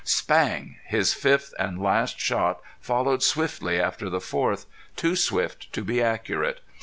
Spang! His fifth and last shot followed swiftly after the fourth too swift to be accurate.